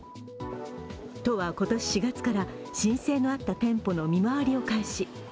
都は今年４月から申請のあった店舗の見回りを開始。